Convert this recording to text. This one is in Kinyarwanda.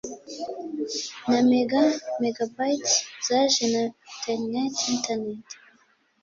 na mega (megabytes) zaje na nterineti (internet)